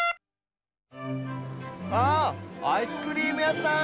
ああアイスクリームやさん。